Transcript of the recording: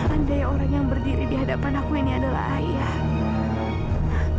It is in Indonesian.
andai orang yang berdiri di hadapan aku ini adalah ayah